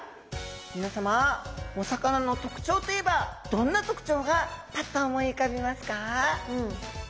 みなさまお魚の特徴といえばどんな特徴がパッと思い浮かびますか？